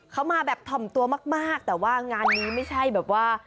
เขามาแบบถ่อมตัวมากแต่ว่างานนี้ไม่ใช่แบบว่า